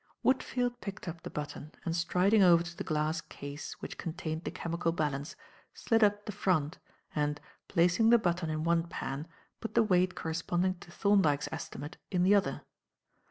Woodfield picked up the button and striding over to the glass case which contained the chemical balance, slid up the front, and, placing the button in one pan, put the weight corresponding to Thorndyke's estimate, in the other.